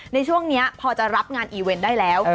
ในช่วงนี้พอจะรับงานอีเวนต์ได้แล้ว